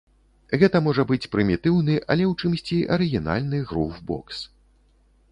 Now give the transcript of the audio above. Гэта, можа быць, прымітыўны, але ў чымсьці арыгінальны грув-бокс.